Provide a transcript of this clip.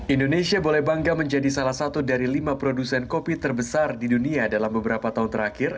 indonesia boleh bangga menjadi salah satu dari lima produsen kopi terbesar di dunia dalam beberapa tahun terakhir